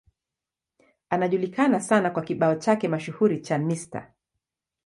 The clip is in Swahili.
Anajulikana sana kwa kibao chake mashuhuri cha Mr.